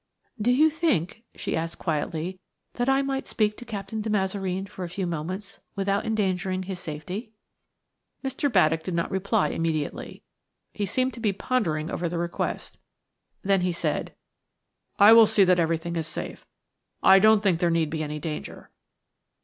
"Do you think," she asked quietly, "that I might speak to Captain de Mazareen for a few moments without endangering his safety?" Mr. Baddock did not reply immediately. He seemed to be pondering over the request. Then he said: "I will see that everything is safe. I don't think there need be any danger."